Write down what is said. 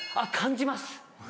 感じます。